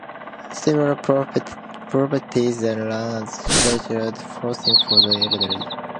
Several properties are run as sheltered housing for the elderly.